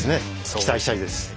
期待したいです。